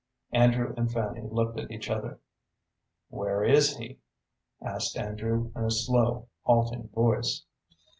Andrew and Fanny looked at each other. "Where is he?" asked Andrew, in a slow, halting voice.